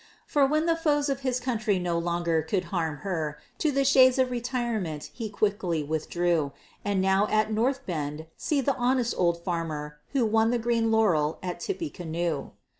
For when the foes of his country no longer could harm her, To the shades of retirement he quickly withdrew; And now at North Bend see the HONEST OLD FARMER, Who won the green laurel at Tippecanoe.